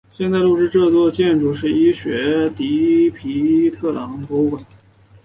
现在入驻这座建筑的是医学院的迪皮特朗博物馆。